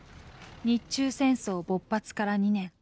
日中戦争勃発から２年。